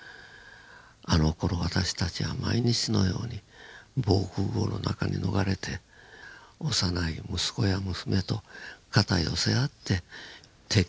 「あのころ私たちは毎日のように防空壕の中に逃れて幼い息子や娘と肩寄せ合って敵機におびえていた。